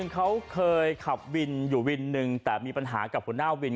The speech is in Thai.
เขาเคยขับวินอยู่วินหนึ่งแต่มีปัญหากับหัวหน้าวิน